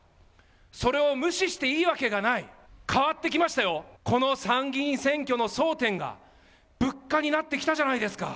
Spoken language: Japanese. それを無視していいわけがない、変わってきましたよ、この参議院選挙の争点が、物価になってきたじゃないですか。